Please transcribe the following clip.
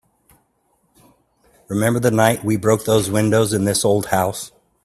Remember the night we broke the windows in this old house?